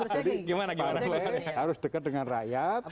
jadi partai harus dekat dengan rakyat